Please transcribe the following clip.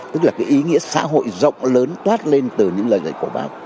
tức là cái ý nghĩa xã hội rộng lớn toát lên từ những lời dạy của bác